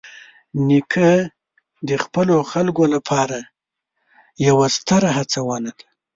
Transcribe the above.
نیکه د خپلو خلکو لپاره تل یوه ستره هڅونه ده.